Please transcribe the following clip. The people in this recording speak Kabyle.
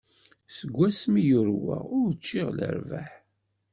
Seg wasmi i yurweɣ, ur ččiɣ lerbaḥ.